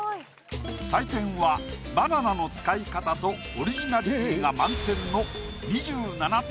採点はバナナの使い方とオリジナリティーが満点の２７点。